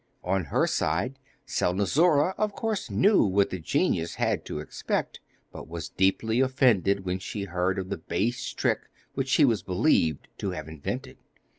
On her side, Selnozoura of course knew what the genius had to expect, but was deeply offended when she heard of the base trick which she was believed to have invented.